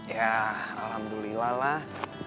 yah alhamdulillah lah